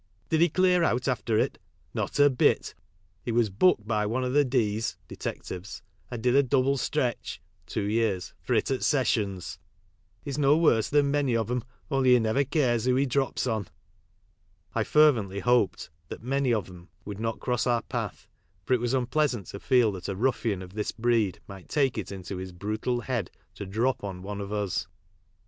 Bid he clear out after it ? Not a bit, he was booked bv one of the d's (detectives) and did a double stretch (two years) for it at sessions. He's no worse than many of 'em, only he never cares wli0 he drops on." I fervently hoped that "many of 'em" would not cross our path, for it was unpleasant to feel that a ruffian of this breed might take it into his brutal head to i{ drop on" one of us.